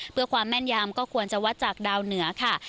เพื่อความแม่นยามก็ควรจะวัดจากดาวเหนือค่ะ